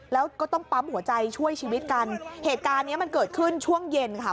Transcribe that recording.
แล้วก็ต้องปั๊มหัวใจช่วยชีวิตกันเหตุการณ์เนี้ยมันเกิดขึ้นช่วงเย็นค่ะ